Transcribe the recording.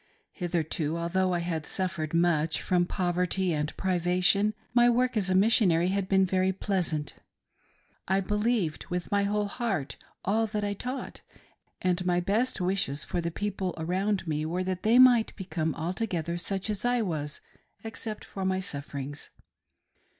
Hitherto, although I had suffered much from poverty and privation, my work as a Missionary had been very pleasant.' I believed with my whole heart all that I taught, and my best' wishes for the people around me were that they might become altogether such as I was, except in my sufferings.